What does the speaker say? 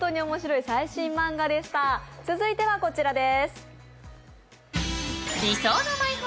続いてはこちらです。